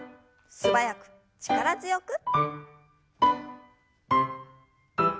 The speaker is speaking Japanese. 素早く力強く。